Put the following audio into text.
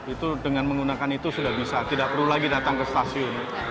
itu dengan menggunakan itu sudah bisa tidak perlu lagi datang ke stasiun